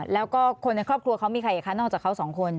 แล้วก็คนในครอบครัวเขามีใครอีกคะนอกจากเขาสองคน